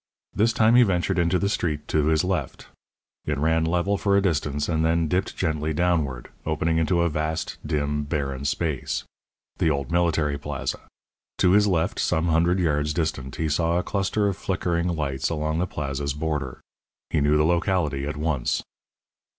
This time he ventured into the street to his left. It ran level for a distance, and then dipped gently downward, opening into a vast, dim, barren space the old Military Plaza. To his left, some hundred yards distant, he saw a cluster of flickering lights along the Plaza's border. He knew the locality at once.